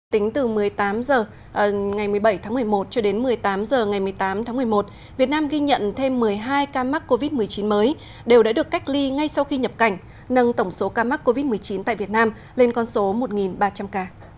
tính từ một mươi tám h ngày một mươi bảy tháng một mươi một cho đến một mươi tám h ngày một mươi tám tháng một mươi một việt nam ghi nhận thêm một mươi hai ca mắc covid một mươi chín mới đều đã được cách ly ngay sau khi nhập cảnh nâng tổng số ca mắc covid một mươi chín tại việt nam lên con số một ba trăm linh ca